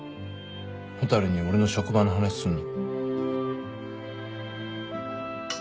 蛍に俺の職場の話すんの。